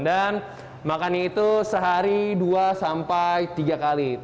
dan makanannya itu sehari dua sampai tiga kali